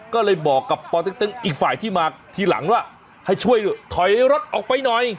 ก็เลยบอกกับปติ๊กตึงอีกฝ่ายที่มาทีหลังว่าให้ช่วยถอยรถออกไปหน่อย